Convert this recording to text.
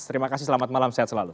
terima kasih selamat malam sehat selalu